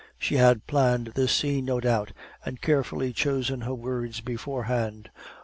She had planned this scene, no doubt, and carefully chosen her words beforehand.